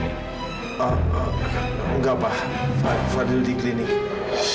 dan sebentar lagi dia juga kesini kok